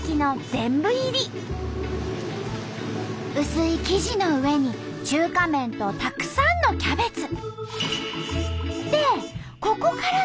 薄い生地の上に中華麺とたくさんのキャベツ。